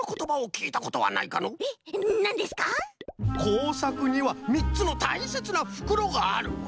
こうさくにはみっつのたいせつなふくろがある。